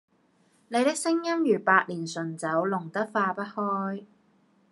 你的聲音如百年純酒，濃得化不開。